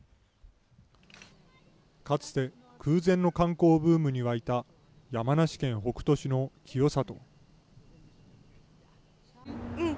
かつて、空前の観光ブームに沸いた山梨県北杜市の清里。